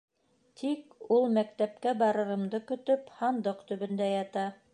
Тик ул, мәктәпкә барырымды көтөп, һандыҡ төбөндә ята.